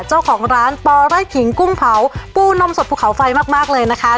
เจ้าของร้านปอไร่ขิงกุ้งเผาปูนมสดภูเขาไฟมากมากเลยนะคะ